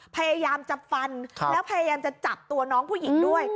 พยายามจะฟันแล้วพยายามจะจับตัวน้องผู้หญิงด้วย